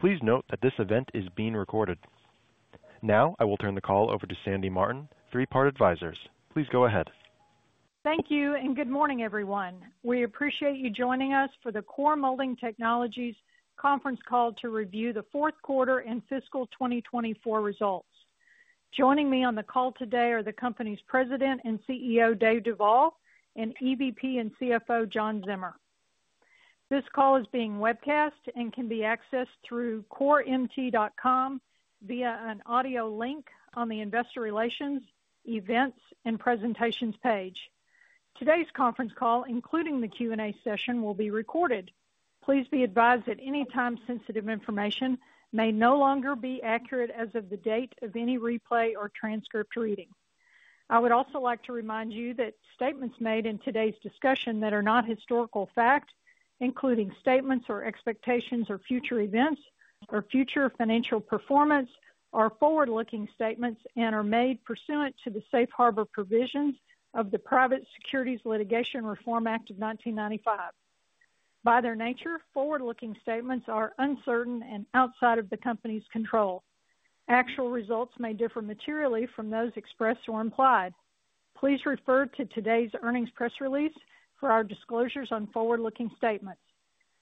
Please note that this event is being recorded. Now, I will turn the call over to Sandy Martin, Three Part Advisors. Please go ahead. Thank you and good morning, everyone. We appreciate you joining us for the Core Molding Technologies conference call to review the fourth quarter and fiscal 2024 results. Joining me on the call today are the company's President and CEO, Dave Duvall, and EVP and CFO, John Zimmer. This call is being webcast and can be accessed through CoreMT.com via an audio link on the investor relations, events, and presentations page. Today's conference call, including the Q&A session, will be recorded. Please be advised at any time sensitive information may no longer be accurate as of the date of any replay or transcript reading. I would also like to remind you that statements made in today's discussion that are not historical fact, including statements or expectations or future events or future financial performance, are forward-looking statements and are made pursuant to the safe harbor provisions of the Private Securities Litigation Reform Act of 1995. By their nature, forward-looking statements are uncertain and outside of the company's control. Actual results may differ materially from those expressed or implied. Please refer to today's earnings press release for our disclosures on forward-looking statements.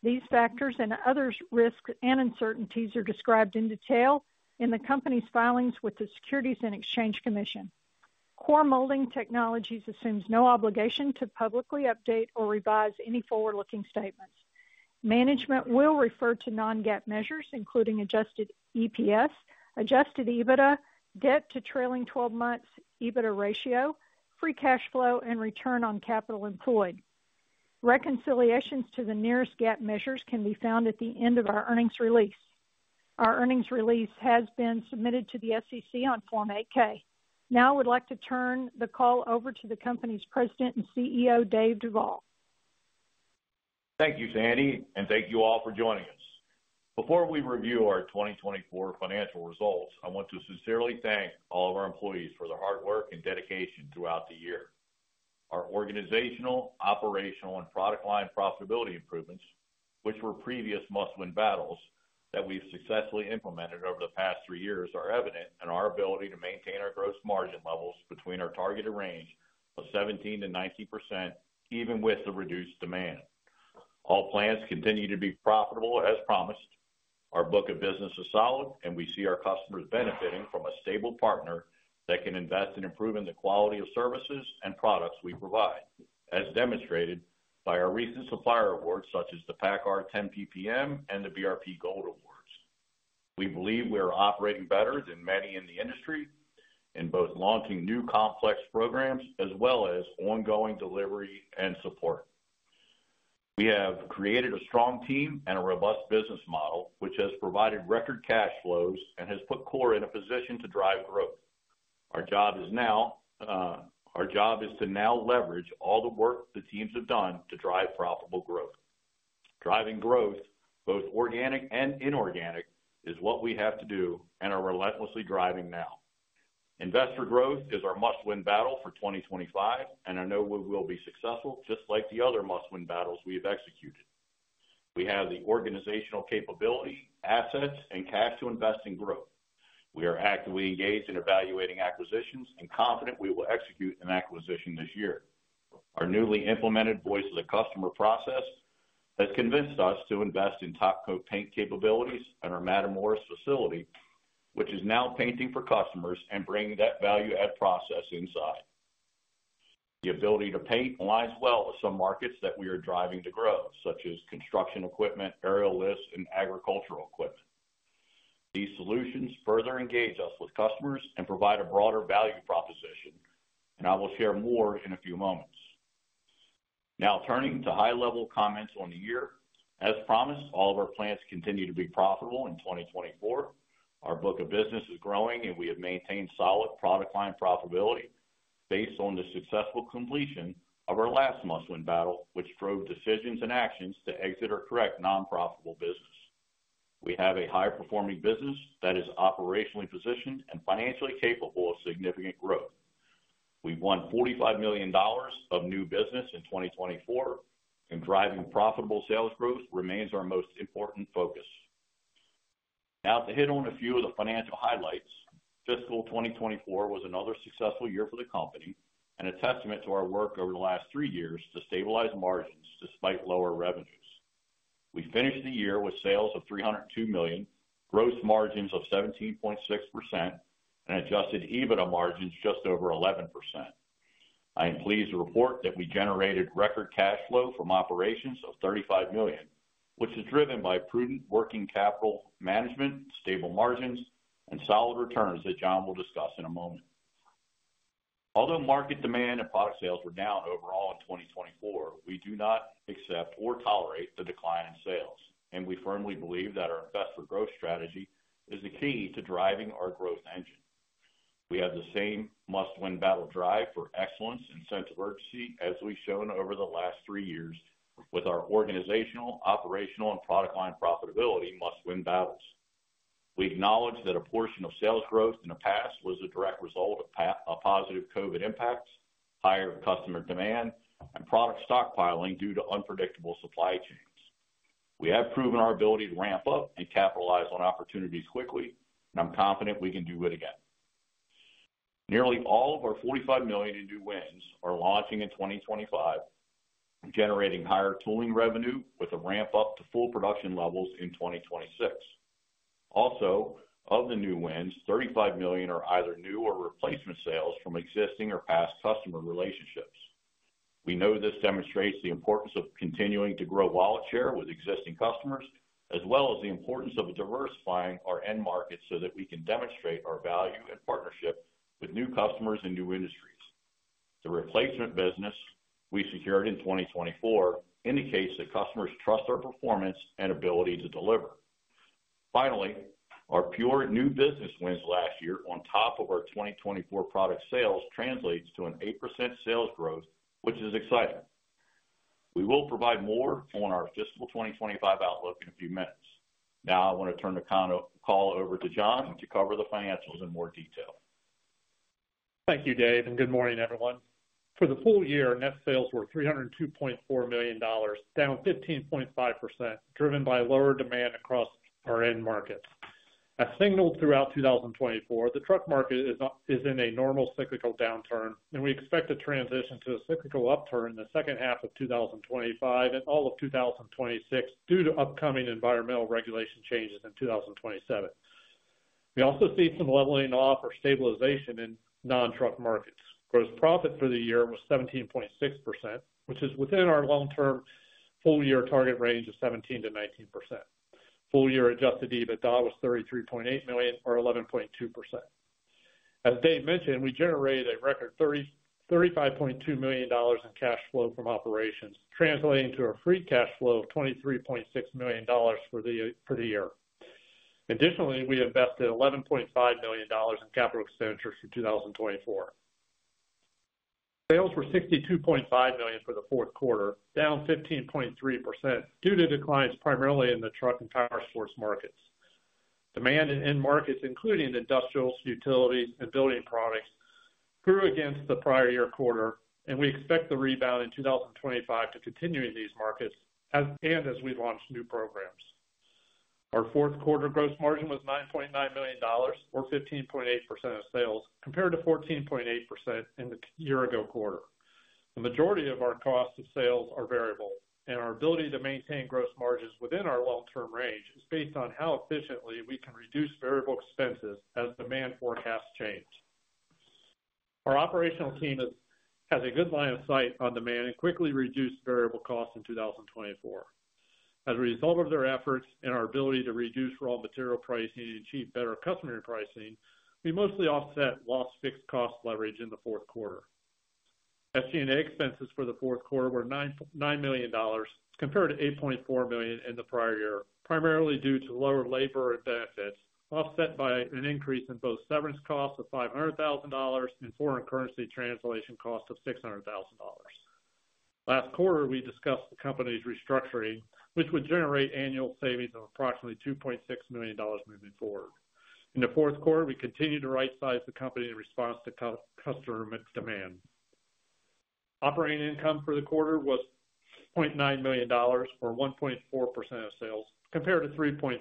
These factors and other risks and uncertainties are described in detail in the company's filings with the Securities and Exchange Commission. Core Molding Technologies assumes no obligation to publicly update or revise any forward-looking statements. Management will refer to non-GAAP measures, including Adjusted EPS, Adjusted EBITDA, debt to trailing 12-month EBITDA ratio, free cash flow, and Return On Capital Employed. Reconciliations to the nearest GAAP measures can be found at the end of our earnings release. Our earnings release has been submitted to the SEC on Form 8-K. Now, I would like to turn the call over to the company's President and CEO, Dave Duvall. Thank you, Sandy, and thank you all for joining us. Before we review our 2024 financial results, I want to sincerely thank all of our employees for their hard work and dedication throughout the year. Our organizational, operational, and product line profitability improvements, which were previous "must-win battles" that we've successfully implemented over the past three years, are evident in our ability to maintain our gross margin levels between our targeted range of 17%-19%, even with the reduced demand. All plans continue to be profitable as promised. Our book of business is solid, and we see our customers benefiting from a stable partner that can invest in improving the quality of services and products we provide, as demonstrated by our recent supplier awards, such as the PACCAR 10 PPM and the BRP Gold Awards. We believe we are operating better than many in the industry in both launching new complex programs as well as ongoing delivery and support. We have created a strong team and a robust business model, which has provided record cash flows and has put Core in a position to drive growth. Our job is now to leverage all the work the teams have done to drive profitable growth. Driving growth, both organic and inorganic, is what we have to do and are relentlessly driving now. Investor Growth is our must-win battle for 2025, and I know we will be successful just like the other must-win battles we have executed. We have the organizational capability, assets, and cash to invest in growth. We are actively engaged in evaluating acquisitions and confident we will execute an acquisition this year. Our newly implemented Voice of the Customer process has convinced us to invest in top-coat paint capabilities at our Matamoros facility, which is now painting for customers and bringing that value-add process inside. The ability to paint aligns well with some markets that we are driving to grow, such as construction equipment, aerial lifts, and agricultural equipment. These solutions further engage us with customers and provide a broader value proposition, and I will share more in a few moments. Now, turning to high-level comments on the year, as promised, all of our plants continue to be profitable in 2024. Our book of business is growing, and we have maintained solid product line profitability based on the successful completion of our last must-win battle, which drove decisions and actions to exit or correct non-profitable business. We have a high-performing business that is operationally positioned and financially capable of significant growth. We've won $45 million of new business in 2024, and driving profitable sales growth remains our most important focus. Now, to hit on a few of the financial highlights, fiscal 2024 was another successful year for the company and a testament to our work over the last three years to stabilize margins despite lower revenues. We finished the year with sales of $302 million, gross margins of 17.6%, and Adjusted EBITDA margins just over 11%. I am pleased to report that we generated record cash flow from operations of $35 million, which is driven by prudent working capital management, stable margins, and solid returns that John will discuss in a moment. Although market demand and product sales were down overall in 2024, we do not accept or tolerate the decline in sales, and we firmly believe that our Investor Growth strategy is the key to driving our growth engine. We have the same must-win battle drive for excellence and sense of urgency as we've shown over the last three years with our organizational, operational, and product line profitability must-win battles. We acknowledge that a portion of sales growth in the past was a direct result of positive COVID impacts, higher customer demand, and product stockpiling due to unpredictable supply chains. We have proven our ability to ramp up and capitalize on opportunities quickly, and I'm confident we can do it again. Nearly all of our $45 million in new wins are launching in 2025, generating higher tooling revenue with a ramp up to full production levels in 2026. Also, of the new wins, $35 million are either new or replacement sales from existing or past customer relationships. We know this demonstrates the importance of continuing to grow wallet share with existing customers, as well as the importance of diversifying our end markets so that we can demonstrate our value and partnership with new customers and new industries. The replacement business we secured in 2024 indicates that customers trust our performance and ability to deliver. Finally, our pure new business wins last year on top of our 2024 product sales translate to an 8% sales growth, which is exciting. We will provide more on our fiscal 2025 outlook in a few minutes. Now, I want to turn the call over to John to cover the financials in more detail. Thank you, Dave, and good morning, everyone. For the full year, net sales were $302.4 million, down 15.5%, driven by lower demand across our end markets. As signaled throughout 2024, the truck market is in a normal cyclical downturn, and we expect a transition to a cyclical upturn in the second half of 2025 and all of 2026 due to upcoming environmental regulation changes in 2027. We also see some leveling off or stabilization in non-truck markets. Gross profit for the year was 17.6%, which is within our long-term full-year target range of 17%-19%. Full-year adjusted EBITDA was $33.8 million, or 11.2%. As Dave mentioned, we generated a record $35.2 million in cash flow from operations, translating to a free cash flow of $23.6 million for the year. Additionally, we invested $11.5 million in capital expenditures for 2024. Sales were $62.5 million for the fourth quarter, down 15.3% due to declines primarily in the truck and powersports markets. Demand in end markets, including industrials, utilities, and building products, grew against the prior year quarter, and we expect the rebound in 2025 to continue in these markets and as we launch new programs. Our fourth quarter gross margin was $9.9 million, or 15.8% of sales, compared to 14.8% in the year-ago quarter. The majority of our costs of sales are variable, and our ability to maintain gross margins within our long-term range is based on how efficiently we can reduce variable expenses as demand forecasts change. Our operational team has a good line of sight on demand and quickly reduced variable costs in 2024. As a result of their efforts and our ability to reduce raw material pricing and achieve better customer pricing, we mostly offset lost fixed-cost leverage in the fourth quarter. SG&A expenses for the fourth quarter were $9 million, compared to $8.4 million in the prior year, primarily due to lower labor benefits offset by an increase in both severance costs of $500,000 and foreign currency translation costs of $600,000. Last quarter, we discussed the company's restructuring, which would generate annual savings of approximately $2.6 million moving forward. In the fourth quarter, we continued to right-size the company in response to customer demand. Operating income for the quarter was $0.9 million, or 1.4% of sales, compared to 3.4%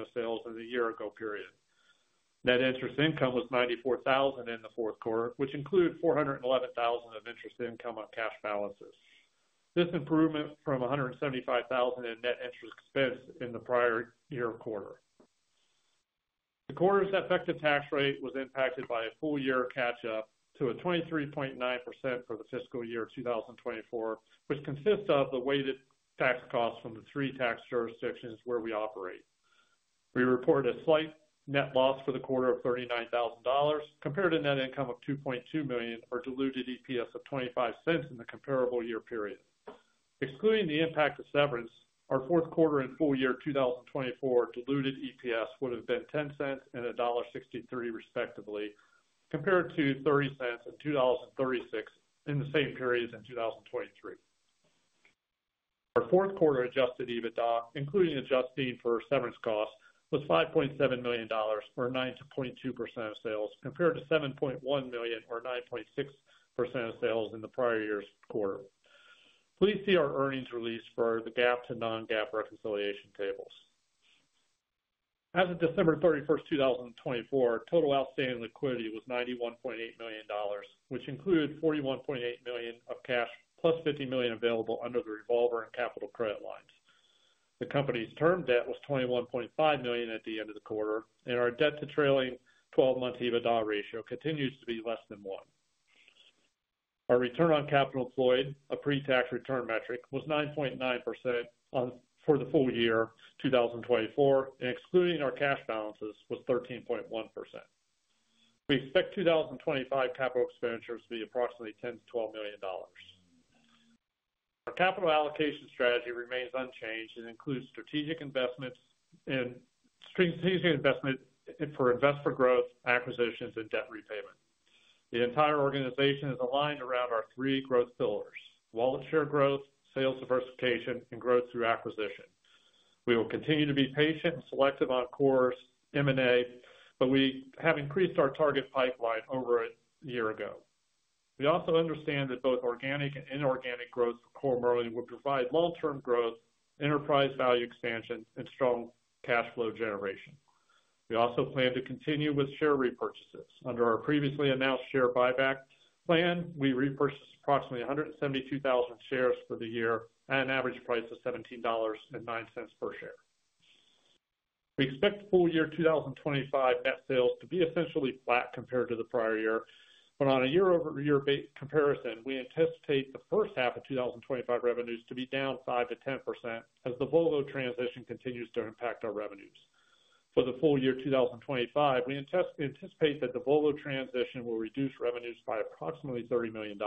of sales in the year-ago period. Net interest income was $94,000 in the fourth quarter, which included $411,000 of interest income on cash balances. This improvement from $175,000 in net interest expense in the prior year quarter. The quarter's effective tax rate was impacted by a full-year catch-up to a 23.9% for the fiscal year 2024, which consists of the weighted tax costs from the three tax jurisdictions where we operate. We reported a slight net loss for the quarter of $39,000, compared to net income of $2.2 million, or diluted EPS of $0.25 in the comparable year period. Excluding the impact of severance, our fourth quarter and full-year 2024 diluted EPS would have been $0.10 and $1.63, respectively, compared to $0.30 and $2.36 in the same period in 2023. Our fourth quarter Adjusted EBITDA, including adjusting for severance costs, was $5.7 million, or 9.2% of sales, compared to $7.1 million, or 9.6% of sales in the prior year's quarter. Please see our earnings release for the GAAP to non-GAAP reconciliation tables. As of December 31, 2024, total outstanding liquidity was $91.8 million, which included $41.8 million of cash plus $50 million available under the revolver and capital credit lines. The company's term debt was $21.5 million at the end of the quarter, and our debt to trailing 12-month EBITDA ratio continues to be less than one. Our Return on Capital Employed, a pre-tax return metric, was 9.9% for the full year 2024, and excluding our cash balances, was 13.1%. We expect 2025 capital expenditures to be approximately $10-$12 million. Our capital allocation strategy remains unchanged and includes strategic investment for Investor Growth, acquisitions, and debt repayment. The entire organization is aligned around our three growth pillars: Wallet Share Growth, Sales Diversification, and Growth Through Acquisition. We will continue to be patient and selective on Core's M&A, but we have increased our target pipeline over a year ago. We also understand that both organic and inorganic growth for Core Molding will provide long-term growth, enterprise value expansion, and strong cash flow generation. We also plan to continue with share repurchases. Under our previously announced share buyback plan, we repurchased approximately 172,000 shares for the year at an average price of $17.09 per share. We expect full-year 2025 net sales to be essentially flat compared to the prior year, but on a year-over-year comparison, we anticipate the first half of 2025 revenues to be down 5%-10% as the Volvo transition continues to impact our revenues. For the full year 2025, we anticipate that the Volvo transition will reduce revenues by approximately $30 million.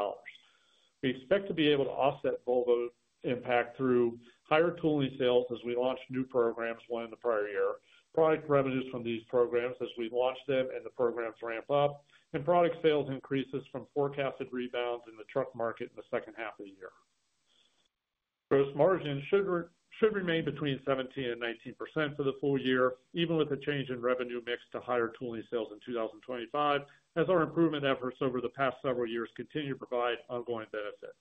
We expect to be able to offset Volvo's impact through higher tooling sales as we launch new programs won in the prior year, product revenues from these programs as we launch them and the programs ramp up, and product sales increases from forecasted rebounds in the truck market in the second half of the year. Gross margins should remain between 17%-19% for the full year, even with a change in revenue mix to higher tooling sales in 2025, as our improvement efforts over the past several years continue to provide ongoing benefits.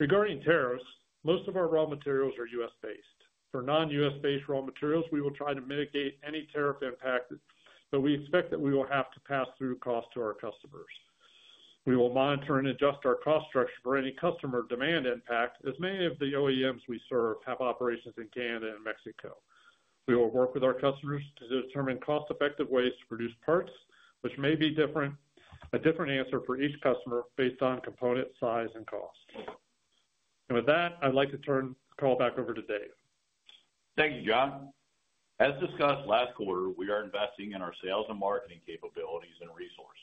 Regarding tariffs, most of our raw materials are U.S.-based. For non-U.S.-based raw materials, we will try to mitigate any tariff impact, but we expect that we will have to pass through costs to our customers. We will monitor and adjust our cost structure for any customer demand impact, as many of the OEMs we serve have operations in Canada and Mexico. We will work with our customers to determine cost-effective ways to produce parts, which may be a different answer for each customer based on component size and cost. With that, I'd like to turn the call back over to Dave. Thank you, John. As discussed last quarter, we are investing in our sales and marketing capabilities and resources.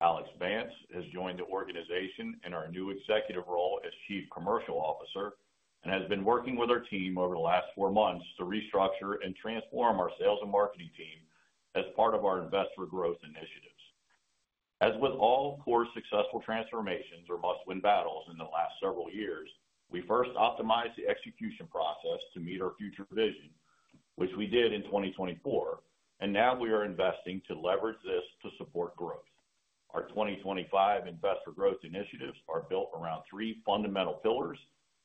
Alex Vance has joined the organization in our new executive role as Chief Commercial Officer and has been working with our team over the last four months to restructure and transform our sales and marketing team as part of our Investor Growth initiatives. As with all Core successful transformations or must-win battles in the last several years, we first optimized the execution process to meet our future vision, which we did in 2024, and now we are investing to leverage this to support growth. Our 2025 Investor Growth initiatives are built around three fundamental pillars,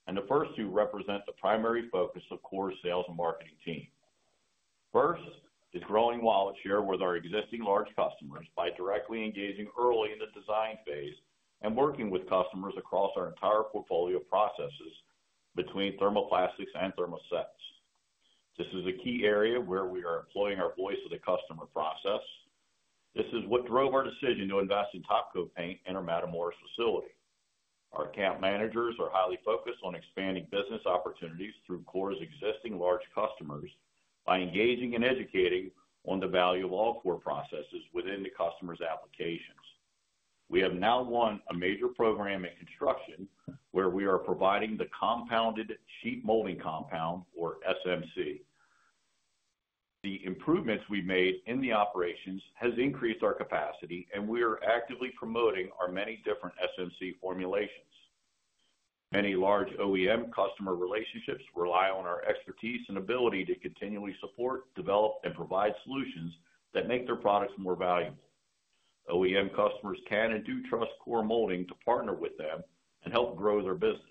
and the first two represent the primary focus of Core's sales and marketing team. First is growing wallet share with our existing large customers by directly engaging early in the design phase and working with customers across our entire portfolio processes between thermoplastics and thermosets. This is a key area where we are employing our Voice of the Customer process. This is what drove our decision to invest in top-coat paint in our Matamoros facility. Our KAM managers are highly focused on expanding business opportunities through Core's existing large customers by engaging and educating on the value of all Core processes within the customer's applications. We have now won a major program in construction where we are providing the compounded sheet molding compound, or SMC. The improvements we've made in the operations have increased our capacity, and we are actively promoting our many different SMC formulations. Many large OEM customer relationships rely on our expertise and ability to continually support, develop, and provide solutions that make their products more valuable. OEM customers can and do trust Core Molding to partner with them and help grow their business.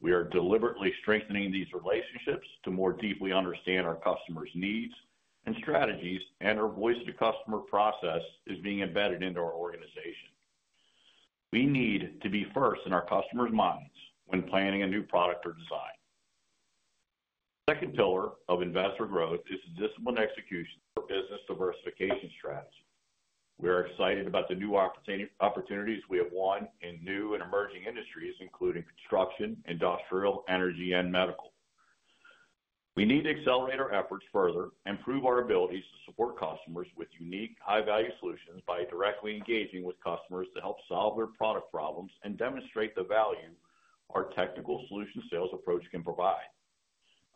We are deliberately strengthening these relationships to more deeply understand our customers' needs and strategies, and our voice-to-customer process is being embedded into our organization. We need to be first in our customers' minds when planning a new product or design. The second pillar of investor growth is discipline execution for business diversification strategy. We are excited about the new opportunities we have won in new and emerging industries, including construction, industrial, energy, and medical. We need to accelerate our efforts further and prove our abilities to support customers with unique, high-value solutions by directly engaging with customers to help solve their product problems and demonstrate the value our technical solution sales approach can provide.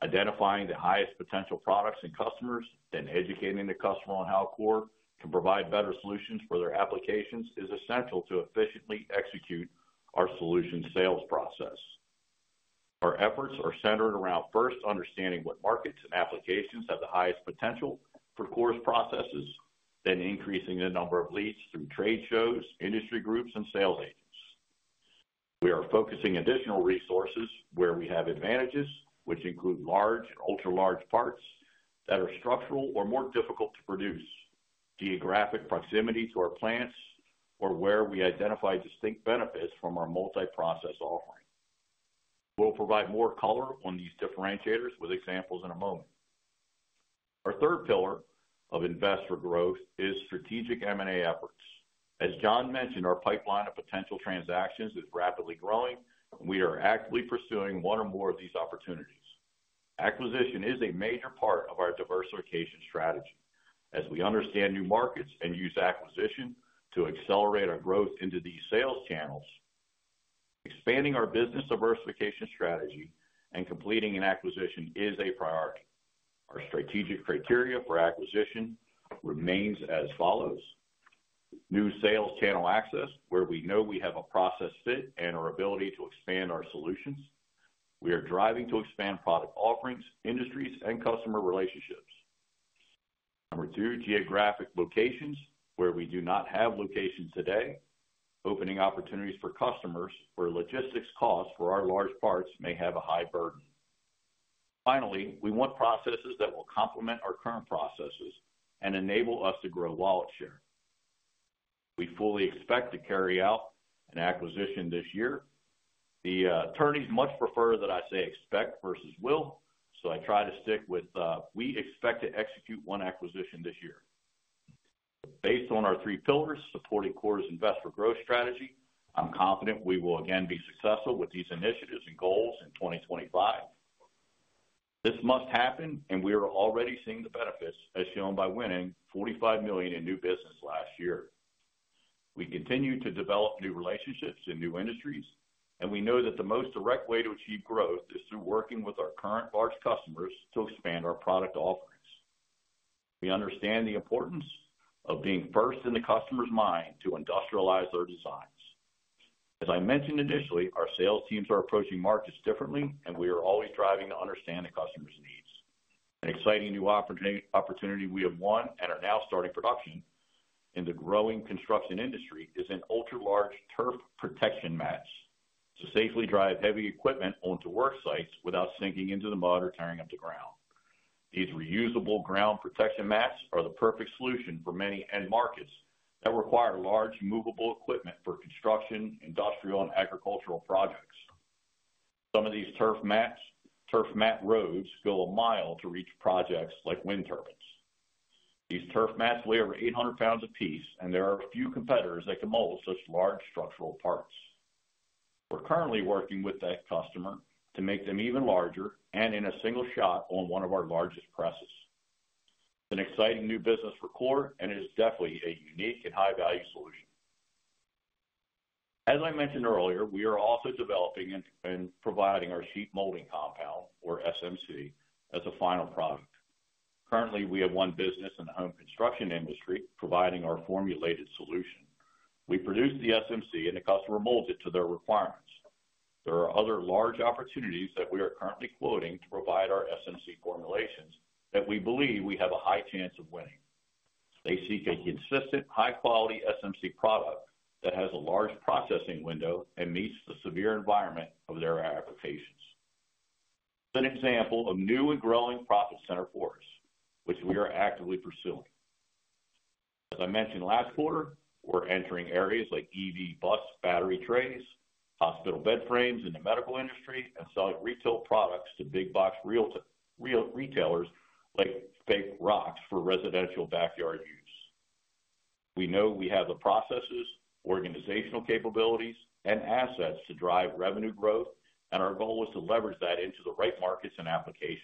Identifying the highest potential products and customers, then educating the customer on how Core can provide better solutions for their applications is essential to efficiently execute our solution sales process. Our efforts are centered around first understanding what markets and applications have the highest potential for Core's processes, then increasing the number of leads through trade shows, industry groups, and sales agents. We are focusing additional resources where we have advantages, which include large and ultra-large parts that are structural or more difficult to produce, geographic proximity to our plants, or where we identify distinct benefits from our multi-process offering. We'll provide more color on these differentiators with examples in a moment. Our third pillar of Investor Growth is strategic M&A efforts. As John mentioned, our pipeline of potential transactions is rapidly growing, and we are actively pursuing one or more of these opportunities. Acquisition is a major part of our diversification strategy. As we understand new markets and use acquisition to accelerate our growth into these sales channels, expanding our business diversification strategy and completing an acquisition is a priority. Our strategic criteria for acquisition remains as follows: new sales channel access, where we know we have a process fit and our ability to expand our solutions. We are driving to expand product offerings, industries, and customer relationships. Number two, geographic locations, where we do not have locations today. Opening opportunities for customers where logistics costs for our large parts may have a high burden. Finally, we want processes that will complement our current processes and enable us to grow wallet share. We fully expect to carry out an acquisition this year. The attorneys much prefer that I say expect versus will, so I try to stick with we expect to execute one acquisition this year. Based on our three pillars supporting Core's Investor Growth strategy, I'm confident we will again be successful with these initiatives and goals in 2025. This must happen, and we are already seeing the benefits, as shown by winning $45 million in new business last year. We continue to develop new relationships in new industries, and we know that the most direct way to achieve growth is through working with our current large customers to expand our product offerings. We understand the importance of being first in the customer's mind to industrialize their designs. As I mentioned initially, our sales teams are approaching markets differently, and we are always driving to understand the customer's needs. An exciting new opportunity we have won and are now starting production in the growing construction industry is an ultra-large turf protection mat to safely drive heavy equipment onto work sites without sinking into the mud or tearing up the ground. These reusable ground protection mats are the perfect solution for many end markets that require large movable equipment for construction, industrial, and agricultural projects. Some of these turf mat roads go a mile to reach projects like wind turbines. These turf mats weigh over 800 lbs apiece, and there are a few competitors that can mold such large structural parts. We're currently working with that customer to make them even larger and in a single shot on one of our largest presses. It's an exciting new business for Core, and it is definitely a unique and high-value solution. As I mentioned earlier, we are also developing and providing our sheet molding compound, or SMC, as a final product. Currently, we have one business in the home construction industry providing our formulated solution. We produce the SMC, and the customer molds it to their requirements. There are other large opportunities that we are currently quoting to provide our SMC formulations that we believe we have a high chance of winning. They seek a consistent, high-quality SMC product that has a large processing window and meets the severe environment of their applications. An example of new and growing profit center for us, which we are actively pursuing. As I mentioned last quarter, we're entering areas like EV bus battery trays, hospital bed frames in the medical industry, and selling retail products to big-box retailers like fake rocks for residential backyard use. We know we have the processes, organizational capabilities, and assets to drive revenue growth, and our goal is to leverage that into the right markets and applications.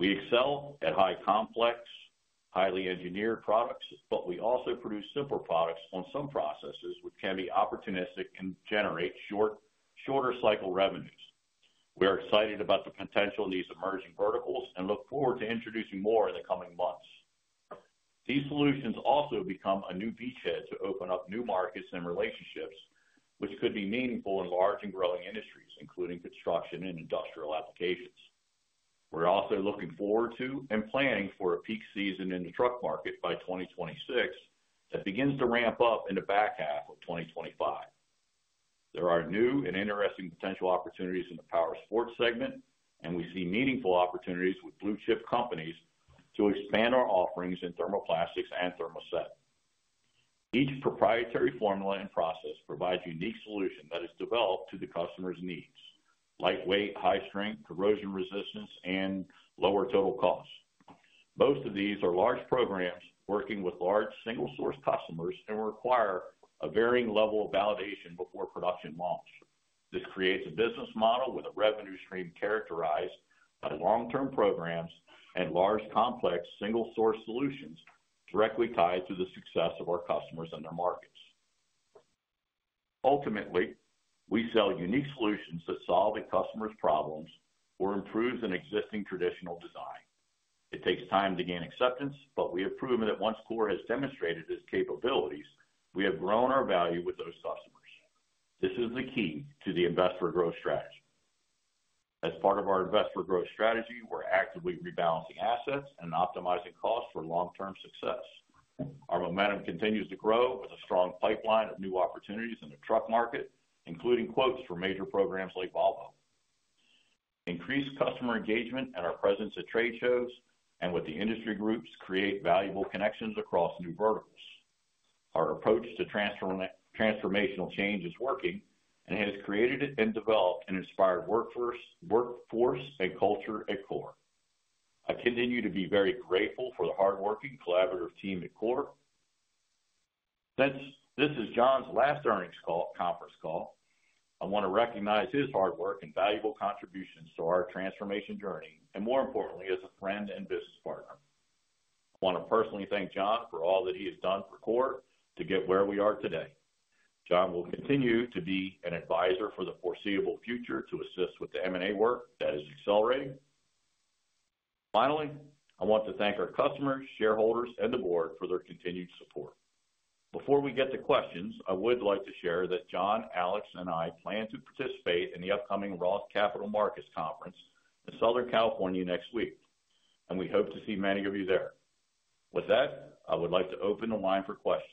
We excel at high-complex, highly engineered products, but we also produce simple products on some processes, which can be opportunistic and generate shorter-cycle revenues. We are excited about the potential in these emerging verticals and look forward to introducing more in the coming months. These solutions also become a new beachhead to open up new markets and relationships, which could be meaningful in large and growing industries, including construction and industrial applications. We're also looking forward to and planning for a peak season in the truck market by 2026 that begins to ramp up in the back half of 2025. There are new and interesting potential opportunities in the power sports segment, and we see meaningful opportunities with blue-chip companies to expand our offerings in thermoplastics and thermoset. Each proprietary formula and process provides a unique solution that is developed to the customer's needs: lightweight, high-strength, corrosion resistance, and lower total cost. Most of these are large programs working with large single-source customers and require a varying level of validation before production launch. This creates a business model with a revenue stream characterized by long-term programs and large complex single-source solutions directly tied to the success of our customers and their markets. Ultimately, we sell unique solutions that solve a customer's problems or improve an existing traditional design. It takes time to gain acceptance, but we have proven that once Core has demonstrated its capabilities, we have grown our value with those customers. This is the key to the investor growth strategy. As part of our investor growth strategy, we're actively rebalancing assets and optimizing costs for long-term success. Our momentum continues to grow with a strong pipeline of new opportunities in the truck market, including quotes for major programs like Volvo. Increased customer engagement and our presence at trade shows and with the industry groups create valuable connections across new verticals. Our approach to transformational change is working, and it has created and developed an inspired workforce and culture at Core. I continue to be very grateful for the hardworking, collaborative team at Core. Since this is John's last earnings conference call, I want to recognize his hard work and valuable contributions to our transformation journey, and more importantly, as a friend and business partner. I want to personally thank John for all that he has done for Core to get where we are today. John will continue to be an advisor for the foreseeable future to assist with the M&A work that is accelerating. Finally, I want to thank our customers, shareholders, and the Board for their continued support. Before we get to questions, I would like to share that John, Alex, and I plan to participate in the upcoming Roth Capital Markets Conference in Southern California next week, and we hope to see many of you there. With that, I would like to open the line for questions.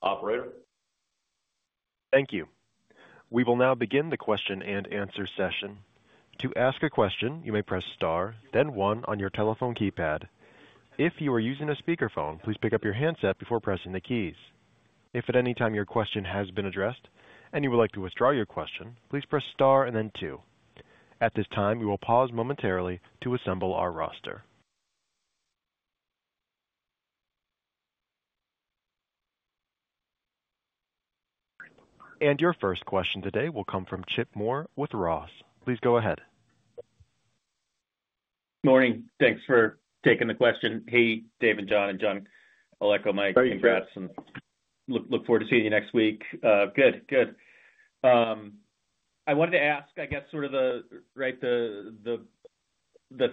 Operator? Thank you. We will now begin the question and answer session. To ask a question, you may press star, then one on your telephone keypad. If you are using a speakerphone, please pick up your handset before pressing the keys. If at any time your question has been addressed and you would like to withdraw your question, please press star and then two. At this time, we will pause momentarily to assemble our roster. Your first question today will come from Chip Moore with Roth. Please go ahead. Morning. Thanks for taking the question. Hey, David, John, and John, Alex, morning. Congrats. Look forward to seeing you next week. Good. Good. I wanted to ask, I guess, sort of the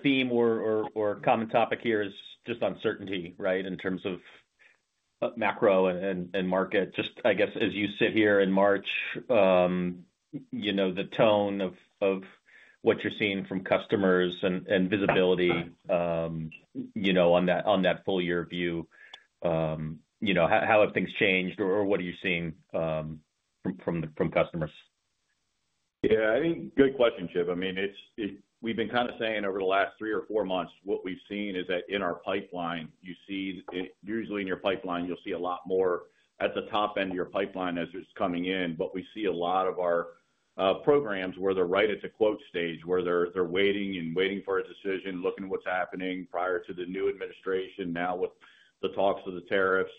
theme or common topic here is just uncertainty, right, in terms of macro and market. Just, I guess, as you sit here in March, the tone of what you're seeing from customers and visibility on that full-year view, how have things changed, or what are you seeing from customers? Yeah. I think good question, Chip. I mean, we've been kind of saying over the last three or four months, what we've seen is that in our pipeline, usually in your pipeline, you'll see a lot more at the top end of your pipeline as it's coming in. We see a lot of our programs where they're right at the quote stage, where they're waiting and waiting for a decision, looking at what's happening prior to the new administration, now with the talks of the tariffs.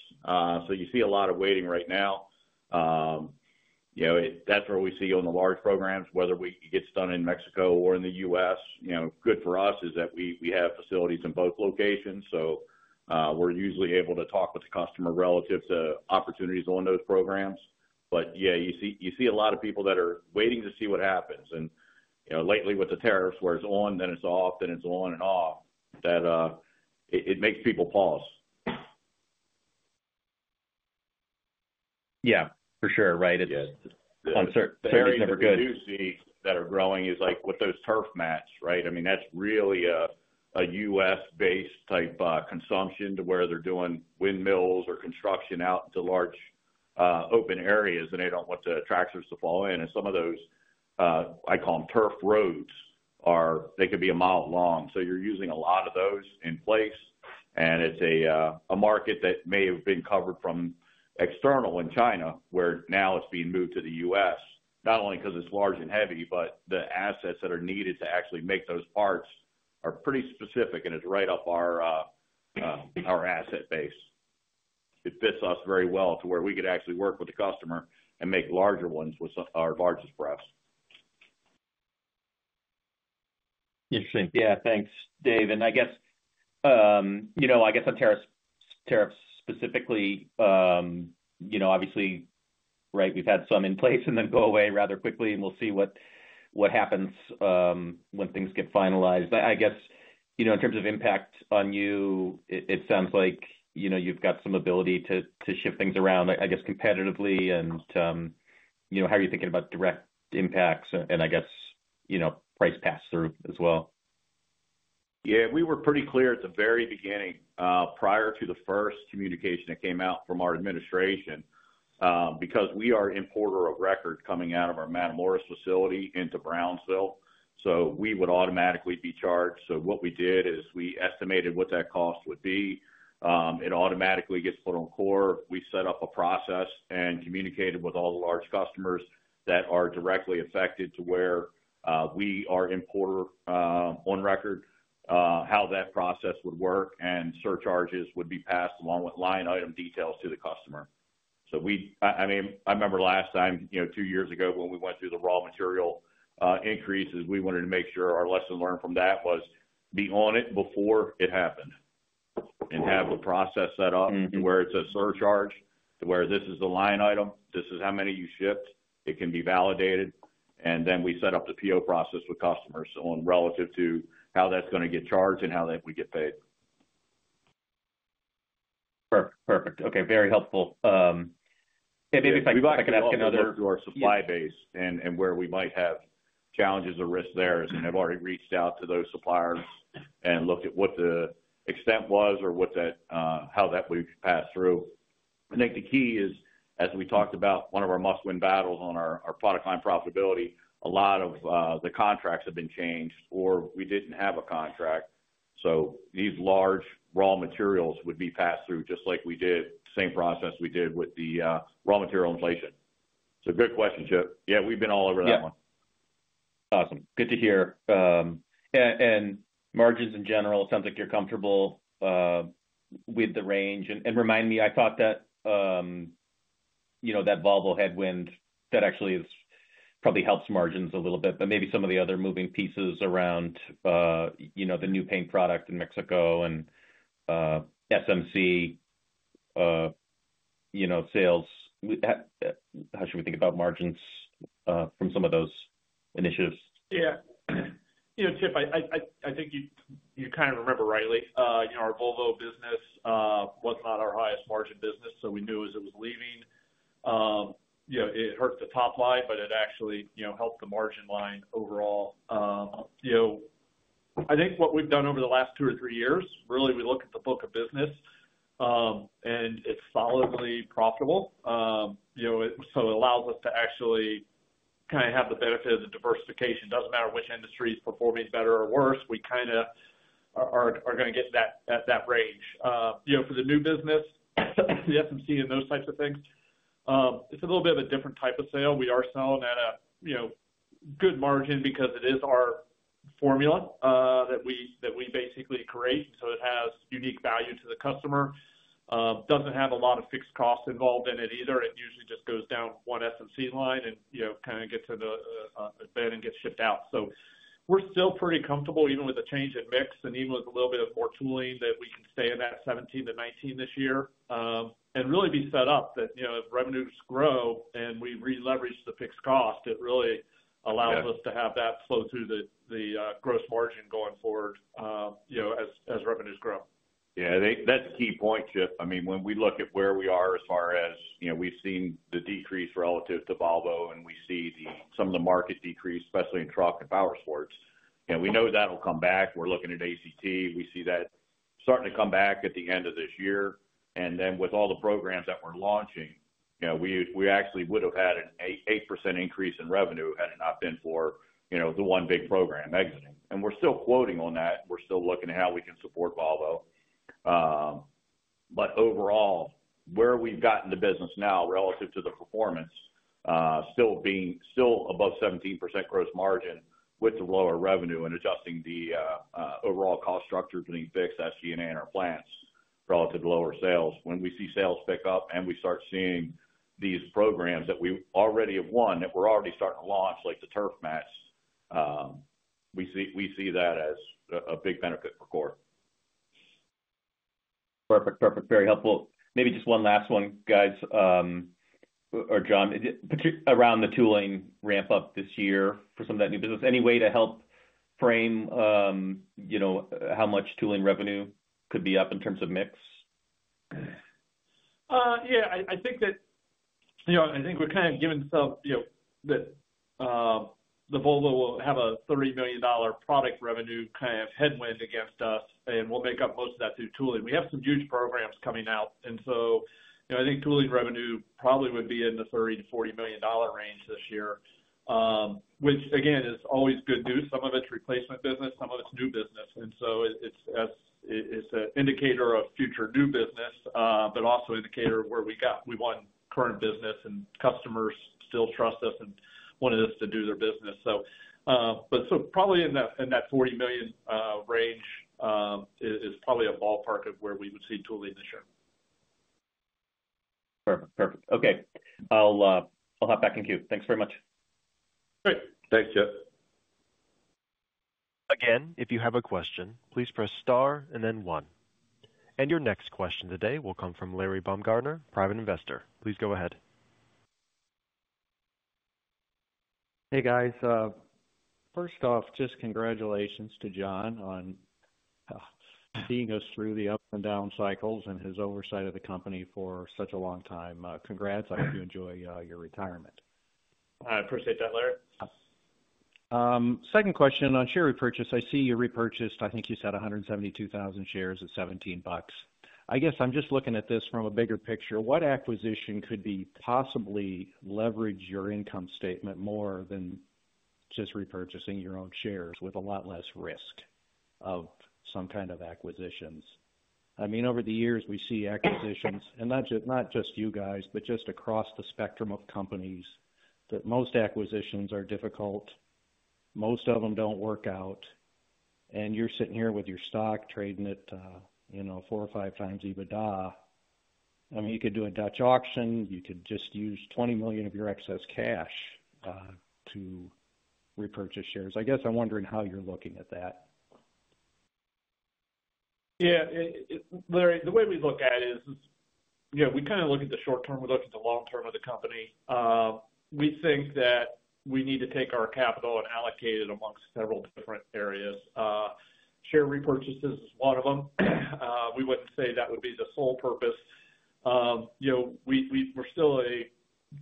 You see a lot of waiting right now. That's where we see on the large programs, whether it gets done in Mexico or in the U.S. Good for us is that we have facilities in both locations, so we're usually able to talk with the customer relative to opportunities on those programs. Yeah, you see a lot of people that are waiting to see what happens. Lately with the tariffs, where it's on, then it's off, then it's on and off, it makes people pause. Yeah. For sure, right? It's uncertain. The areas that we do see that are growing is with those turf mats, right? I mean, that's really a U.S.-based type consumption to where they're doing windmills or construction out into large open areas, and they don't want the tractors to fall in. Some of those, I call them turf roads, they could be a mile long. You're using a lot of those in place, and it's a market that may have been covered from external in China, where now it's being moved to the U.S., not only because it's large and heavy, but the assets that are needed to actually make those parts are pretty specific, and it's right up our asset base. It fits us very well to where we could actually work with the customer and make larger ones with our largest press. Interesting. Yeah. Thanks, Dave. I guess on tariffs specifically, obviously, right, we've had some in place and then go away rather quickly, and we'll see what happens when things get finalized. I guess in terms of impact on you, it sounds like you've got some ability to shift things around, I guess, competitively. How are you thinking about direct impacts and, I guess, price pass-through as well? Yeah. We were pretty clear at the very beginning prior to the first communication that came out from our administration because we are Importer of Record coming out of our Matamoros facility into Brownsville. We would automatically be charged. What we did is we estimated what that cost would be. It automatically gets put on Core. We set up a process and communicated with all the large customers that are directly affected to where we are importer on record, how that process would work, and surcharges would be passed along with line-item details to the customer. I mean, I remember last time, two years ago, when we went through the raw material increases, we wanted to make sure our lesson learned from that was be on it before it happened and have the process set up to where it's a surcharge to where this is the line item, this is how many you shipped, it can be validated, and then we set up the PO process with customers relative to how that's going to get charged and how that we get paid. Perfect. Okay. Very helpful. Maybe if I could ask another. To our supply base and where we might have challenges or risks there as in have already reached out to those suppliers and looked at what the extent was or how that we passed through. I think the key is, as we talked about, one of our must-win battles on our product line profitability, a lot of the contracts have been changed or we did not have a contract. These large raw materials would be passed through just like we did, same process we did with the raw material inflation. Good question, Chip. Yeah, we have been all over that one. Awesome. Good to hear. Margins in general, it sounds like you are comfortable with the range. Remind me, I thought that Volvo headwind, that actually probably helps margins a little bit, but maybe some of the other moving pieces around the new paint product in Mexico and SMC sales. How should we think about margins from some of those initiatives? Yeah. Chip, I think you kind of remember rightly our Volvo business was not our highest margin business, so we knew as it was leaving, it hurt the top line, but it actually helped the margin line overall. I think what we've done over the last two or three years, really, we look at the book of business, and it's solidly profitable. So it allows us to actually kind of have the benefit of the diversification. It doesn't matter which industry is performing better or worse. We kind of are going to get that range. For the new business, the SMC and those types of things, it's a little bit of a different type of sale. We are selling at a good margin because it is our formula that we basically create. And so it has unique value to the customer. Doesn't have a lot of fixed costs involved in it either. It usually just goes down one SMC line and kind of gets in the bin and gets shipped out. We are still pretty comfortable even with a change in mix and even with a little bit of more tooling that we can stay in that 17%-19% this year and really be set up that if revenues grow and we re-leverage the fixed cost, it really allows us to have that flow-through the gross margin going forward as revenues grow. Yeah. That is a key point, Chip. I mean, when we look at where we are as far as we have seen the decrease relative to Volvo and we see some of the market decrease, especially in truck and power sports. We know that will come back. We are looking at ACT. We see that starting to come back at the end of this year. With all the programs that we're launching, we actually would have had an 8% increase in revenue had it not been for the one big program exiting. We're still quoting on that. We're still looking at how we can support Volvo. Overall, where we've gotten the business now relative to the performance, still above 17% gross margin with the lower revenue and adjusting the overall cost structure between fixed SG&A and our plants relative to lower sales. When we see sales pick up and we start seeing these programs that we already have won that we're already starting to launch, like the turf mats, we see that as a big benefit for Core. Perfect. Perfect. Very helpful. Maybe just one last one, guys or John, around the tooling ramp-up this year for some of that new business. Any way to help frame how much tooling revenue could be up in terms of mix? Yeah. I think that I think we're kind of giving ourselves that the Volvo will have a $30 million product revenue kind of headwind against us, and we'll make up most of that through tooling. We have some huge programs coming out. I think tooling revenue probably would be in the $30-$40 million range this year, which, again, is always good news. Some of it's replacement business, some of it's new business. It's an indicator of future new business, but also an indicator of where we got. We won current business, and customers still trust us and want us to do their business. Probably in that $40 million range is probably a ballpark of where we would see tooling this year. Perfect. Perfect. Okay. I'll hop back in queue. Thanks very much. Great. Thanks, Chip. Again, if you have a question, please press star and then one. Your next question today will come from Larry Baumgardner, private investor. Please go ahead. Hey, guys. First off, just congratulations to John on seeing us through the ups and down cycles and his oversight of the company for such a long time. Congrats. I hope you enjoy your retirement. I appreciate that, Larry. Second question on share repurchase. I see you repurchased, I think you said 172,000 shares at $17. I guess I'm just looking at this from a bigger picture. What acquisition could possibly leverage your income statement more than just repurchasing your own shares with a lot less risk of some kind of acquisitions? I mean, over the years, we see acquisitions, and not just you guys, but just across the spectrum of companies, that most acquisitions are difficult. Most of them don't work out. And you're sitting here with your stock, trading at four or five times EBITDA. I mean, you could do a Dutch auction. You could just use $20 million of your excess cash to repurchase shares. I guess I'm wondering how you're looking at that. Yeah. Larry, the way we look at it is we kind of look at the short term. We look at the long term of the company. We think that we need to take our capital and allocate it amongst several different areas. Share repurchases is one of them. We wouldn't say that would be the sole purpose. We're still a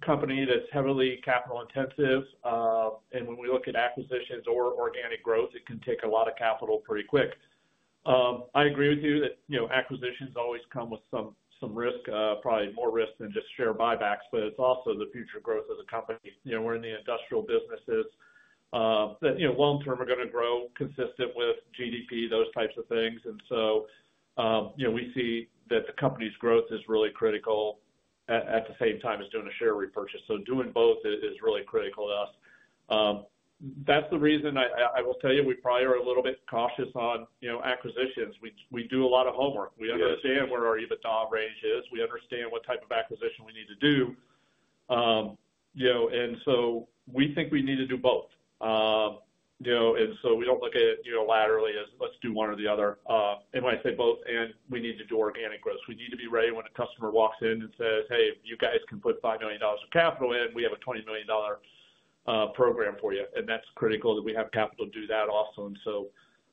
company that's heavily capital intensive. When we look at acquisitions or organic growth, it can take a lot of capital pretty quick. I agree with you that acquisitions always come with some risk, probably more risk than just share buybacks, but it's also the future growth of the company. We're in the industrial businesses that long term are going to grow consistent with GDP, those types of things. We see that the company's growth is really critical at the same time as doing a share repurchase. Doing both is really critical to us. That's the reason I will tell you we probably are a little bit cautious on acquisitions. We do a lot of homework. We understand where our EBITDA range is. We understand what type of acquisition we need to do. We think we need to do both. We do not look at it laterally as let's do one or the other. When I say both, we need to do organic growth. We need to be ready when a customer walks in and says, "Hey, you guys can put $5 million of capital in. We have a $20 million program for you." That is critical that we have capital to do that also.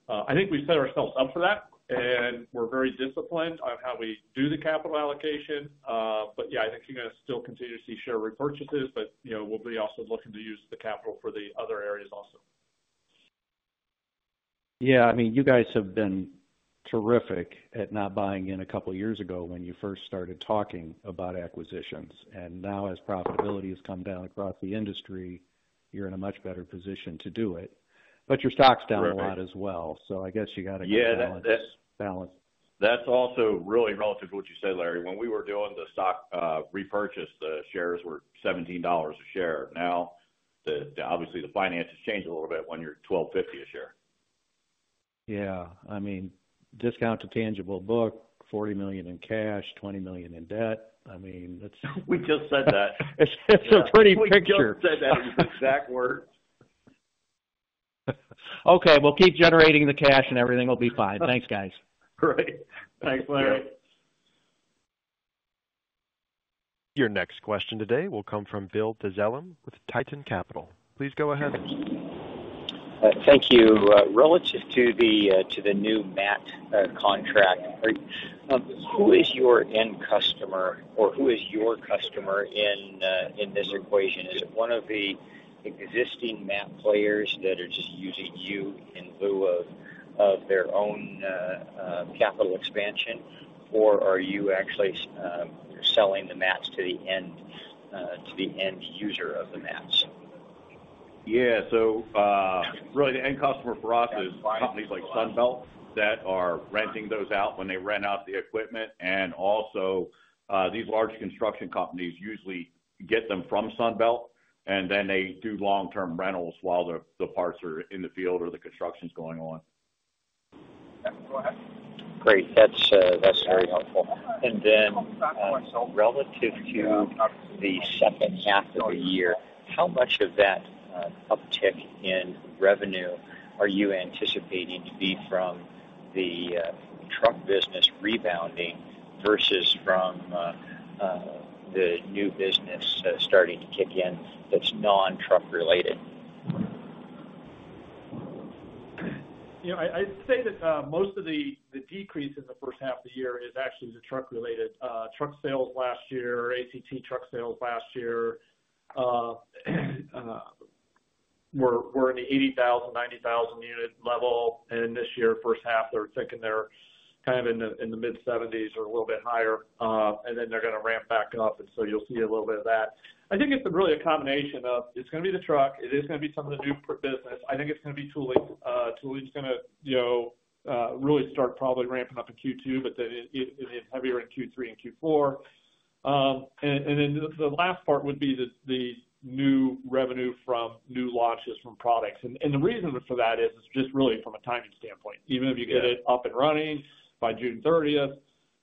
I think we set ourselves up for that. We are very disciplined on how we do the capital allocation. I think you are going to still continue to see share repurchases, but we will also be looking to use the capital for the other areas also. I mean, you guys have been terrific at not buying in a couple of years ago when you first started talking about acquisitions. Now as profitability has come down across the industry, you're in a much better position to do it. Your stock's down a lot as well. I guess you got to keep balance. Yeah. That's also really relative to what you said, Larry. When we were doing the stock repurchase, the shares were $17 a share. Now, obviously, the finances change a little bit when you're $12.50 a share. Yeah. I mean, discount to tangible book, $40 million in cash, $20 million in debt. I mean, that's. We just said that. It's a pretty picture. We both said that exact word. Okay. Keep generating the cash and everything. It'll be fine. Thanks, guys. All right. Thanks, Larry. Your next question today will come from Bill Dezellem with Tieton Capital. Please go ahead. Thank you. Relative to the new mat contract, who is your end customer or who is your customer in this equation? Is it one of the existing mat players that are just using you in lieu of their own capital expansion, or are you actually selling the mats to the end user of the mats? Yeah. Really, the end customer for us is companies like Sunbelt that are renting those out when they rent out the equipment. Also, these large construction companies usually get them from Sunbelt, and then they do long-term rentals while the parts are in the field or the construction is going on. Great. That's very helpful. Relative to the second half of the year, how much of that uptick in revenue are you anticipating to be from the truck business rebounding versus from the new business starting to kick in that's non-truck related? I'd say that most of the decrease in the first half of the year is actually the truck related. Truck sales last year, ACT truck sales last year were in the 80,000-90,000 unit level. And this year, first half, they're thinking they're kind of in the mid-70,000s or a little bit higher. And then they're going to ramp back up. You'll see a little bit of that. I think it's really a combination of it's going to be the truck. It is going to be some of the new business. I think it's going to be tooling. Tooling's going to really start probably ramping up in Q2, but it is heavier in Q3 and Q4. The last part would be the new revenue from new launches from products. The reason for that is just really from a timing standpoint. Even if you get it up and running by June 30,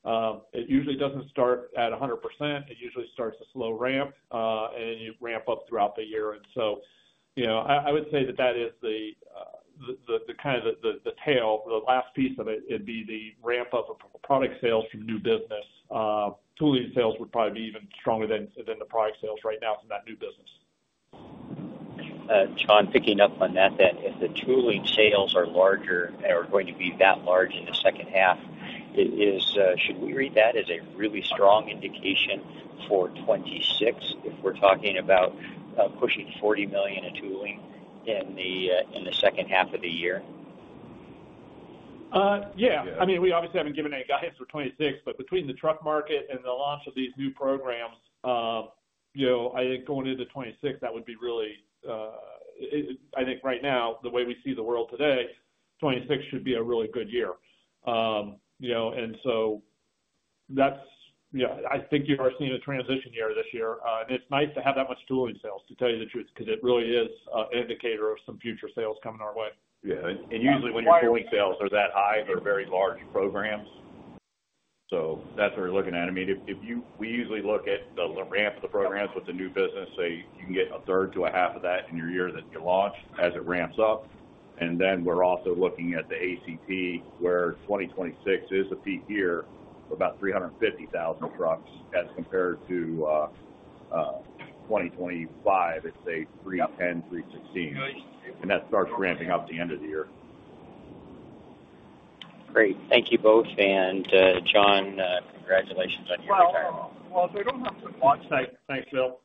it usually does not start at 100%. It usually starts a slow ramp, and you ramp up throughout the year. I would say that is kind of the tail, the last piece of it, it would be the ramp-up of product sales from new business. Tooling sales would probably be even stronger than the product sales right now from that new business. John, picking up on that, if the tooling sales are larger and are going to be that large in the second half, should we read that as a really strong indication for 2026 if we are talking about pushing $40 million in tooling in the second half of the year? Yeah. I mean, we obviously haven't given any guidance for 2026, but between the truck market and the launch of these new programs, I think going into 2026, that would be really, I think right now, the way we see the world today, 2026 should be a really good year. I think you are seeing a transition year this year. It's nice to have that much tooling sales, to tell you the truth, because it really is an indicator of some future sales coming our way. Yeah. Usually when your tooling sales are that high, they're very large programs. That's what we're looking at. I mean, we usually look at the ramp of the programs with the new business. You can get a third to a half of that in your year that you launch as it ramps up. We are also looking at the ACT, where 2026 is a peak year for about 350,000 trucks as compared to 2025, it's a 310, 316. That starts ramping up the end of the year. Great. Thank you both. John, congratulations on your retirement. If they do not have to launch, thanks, Bill.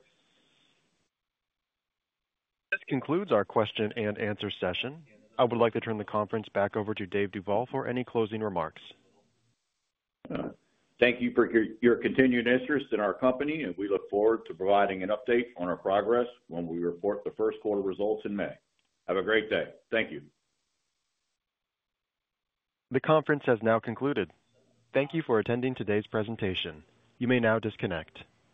This concludes our question and answer session. I would like to turn the conference back over to Dave Duvall for any closing remarks. Thank you for your continued interest in our company, and we look forward to providing an update on our progress when we report the first quarter results in May. Have a great day. Thank you. The conference has now concluded. Thank you for attending today's presentation. You may now disconnect.